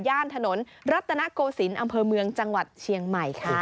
ถนนรัตนโกศิลป์อำเภอเมืองจังหวัดเชียงใหม่ค่ะ